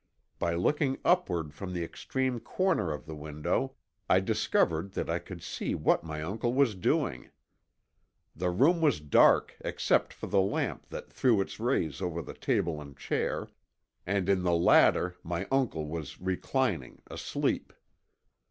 By looking upward from the extreme corner of the window I discovered that I could see what my uncle was doing. The room was dark except for the lamp that threw its rays over the table and chair, and in the latter my uncle was reclining asleep.